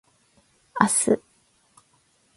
明日